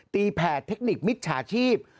แผ่เทคนิคมิจฉาชีพ